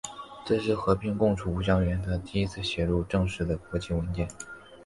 这是和平共处五项原则第一次写入正式的国际文件。